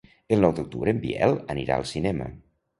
El nou d'octubre en Biel anirà al cinema.